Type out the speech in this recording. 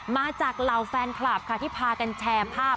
มาจากเหล่าแฟนคลับค่ะที่พากันแชร์ภาพ